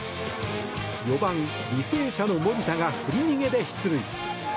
４番、履正社の森田が振り逃げで出塁。